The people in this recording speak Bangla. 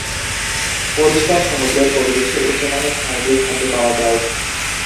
পরিষ্কার সমুদ্রের পরিবেশে উচ্চমানের সামুদ্রিক খাদ্য পাওয়া যায়।